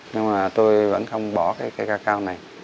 nhưng tôi vẫn không bỏ cây ca cao này